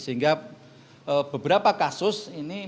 sehingga beberapa kasus ini